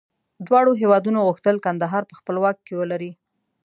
دواړو هېوادونو غوښتل کندهار په خپل واک کې ولري.